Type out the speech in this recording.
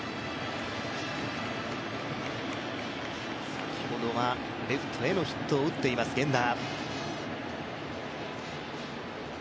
先ほどはレフトへのヒットを打っています、源田。